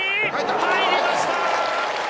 入りました！